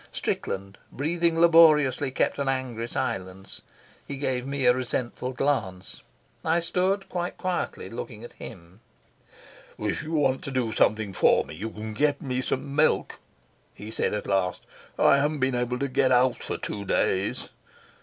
Strickland, breathing laboriously, kept an angry silence. He gave me a resentful glance. I stood quite quietly, looking at him. "If you want to do something for me, you can get me some milk," he said at last. "I haven't been able to get out for two days."